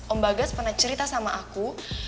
om bagas pernah cerita sama aku